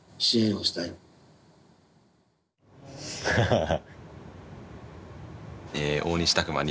ハハハ。